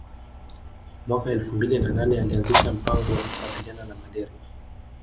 Mwaka elfu mbili na nane alianzisha mpango wa kukabiliana na Malaria